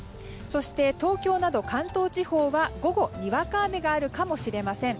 そして、東京など関東地方は午後、にわか雨があるかもしれません。